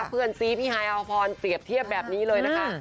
เพื่อนซีพี่ฮายอพรเปรียบเทียบแบบนี้เลยนะคะ